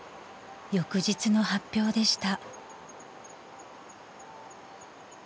翌日の発表でした］